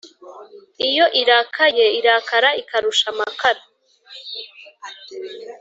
iyo irakaye irakara ikarusha amakara